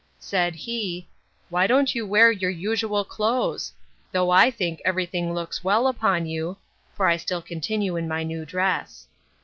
Said he, Why don't you wear your usual clothes? Though I think every thing looks well upon you (for I still continue in my new dress).